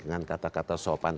dengan kata kata sopan